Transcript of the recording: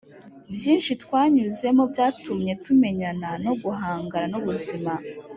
byinshi twanyuzemo byatumye tumenyana no guhangana nubuzima